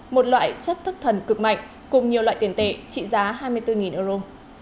một loại chất thức thần cực mạnh cùng nhiều loại tiền tệ trị giá hai mươi bốn euro